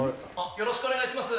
よろしくお願いします。